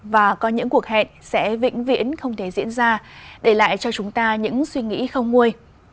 và có những cuộc hẹn sẽ vĩnh viễn không thể diễn ra để lại cho chúng ta những suy nghĩ không nguôi